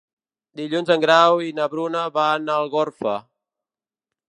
Dilluns en Grau i na Bruna van a Algorfa.